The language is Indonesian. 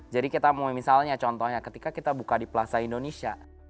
jadi misalnya contohnya ketika kita buka di plaza indonesia